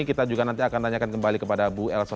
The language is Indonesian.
kita juga nanti akan tanyakan kembali kepada bu elsa